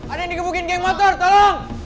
ada yang dikemukin geng motor tolong